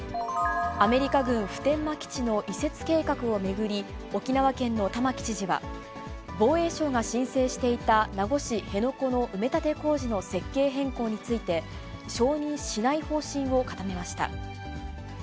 アメリカ軍普天間基地の移設計画を巡り、沖縄県の玉城知事は、防衛省が申請していた名護市辺野古の埋め立て工事の設計変更について、承認しない方針を固めました。